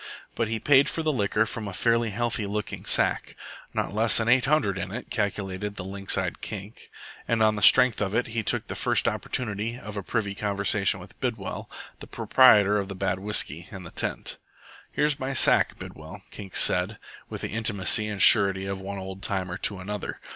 But he paid for the liquor from a fairly healthy looking sack. "Not less 'n eight hundred in it," calculated the lynx eyed Kink; and on the strength of it he took the first opportunity of a privy conversation with Bidwell, proprietor of the bad whisky and the tent. "Here's my sack, Bidwell," Kink said, with the intimacy and surety of one old timer to another.